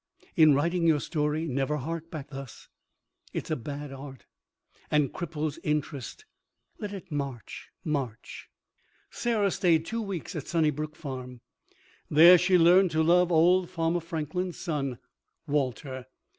(In writing your story never hark back thus. It is bad art, and cripples interest. Let it march, march.) Sarah stayed two weeks at Sunnybrook Farm. There she learned to love old Farmer Franklin's son Walter.